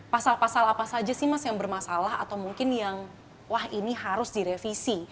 pasal pasal apa saja sih mas yang bermasalah atau mungkin yang wah ini harus direvisi